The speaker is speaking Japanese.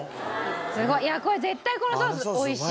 すごい！これ絶対このソース美味しい！